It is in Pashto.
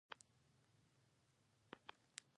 ور ته به مې ویل: داسې مه کوه چې زه پایډل وهم.